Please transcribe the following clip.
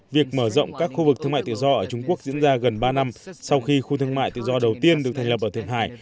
việc mở rộng các khu vực thương mại tự do ở trung quốc diễn ra gần ba năm sau khi khu thương mại tự do đầu tiên được thành lập ở thượng hải